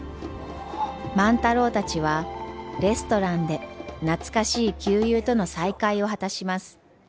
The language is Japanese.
万太郎たちはレストランで懐かしい旧友との再会を果たします。